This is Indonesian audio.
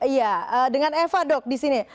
iya dengan eva dok di sini